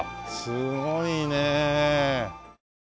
すごいねえ。